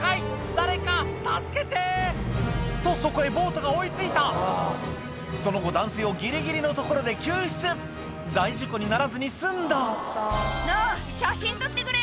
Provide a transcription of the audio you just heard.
誰か助けて！」とそこへボートが追い付いたその後男性をギリギリのところで救出大事故にならずに済んだ「なぁ写真撮ってくれ」